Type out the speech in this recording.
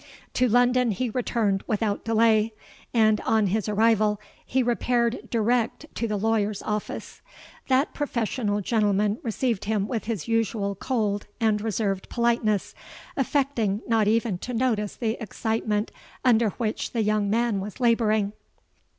To London he returned without delay; and, on his arrival, he repaired direct to the lawyer's office. That professional gentleman received him with his usual cold and reserved politeness, affecting not even to notice the excitement under which the young man was labouring.